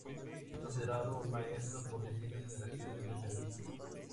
Es considerado un maestro por distintas generaciones de periodistas.